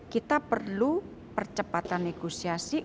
kita perlu percepatan negosiasi